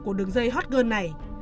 của đường dây hot girl này